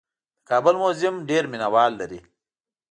د کابل موزیم ډېر مینه وال لري.